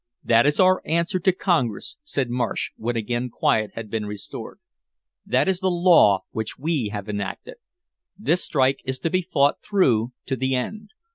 "That is our answer to Congress," said Marsh, when again quiet had been restored. "That is the law which we have enacted. This strike is to be fought through to the end.